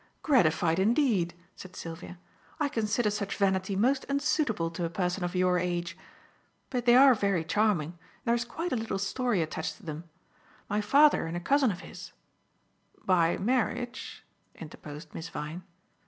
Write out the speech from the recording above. "Gratified indeed!" said Sylvia. "I consider such vanity most unsuitable to a person of your age. But they are very charming, and there is quite a little story attached to them. My father and a cousin of his " "By marriage," interposed Miss Vyne.